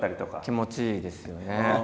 気持ちいいですよね。